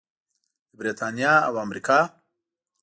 د بریتانیا او امریکا.